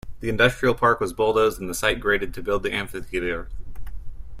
The industrial park was bulldozed and the site graded to build the amphitheatre.